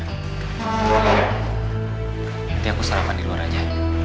nanti aku sarapan di luar aja